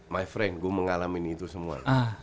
my friend gue mengalami itu semua